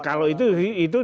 kalau itu sih